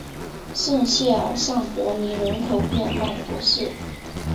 圣谢尔尚帕尼人口变化图示